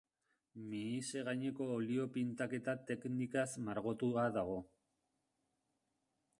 Mihise gaineko olio-pintaketa teknikaz margotua dago.